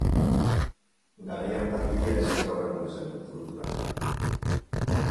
Garai hartan hiria ez zen gaur egun bezain multikulturala.